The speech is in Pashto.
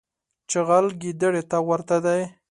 چغال ګیدړي ته ورته دی.